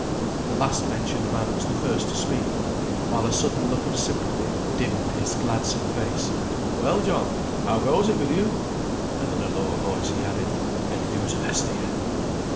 The last mentioned man was the first to speak, while a sudden look of sympathy dimmed his gladsome face. "Well, John, how goes it with you?" and, in a lower voice, he added, "Any news of Esther, yet?"